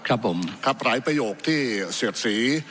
ครับผมครับหลายประโยคที่เสียดสี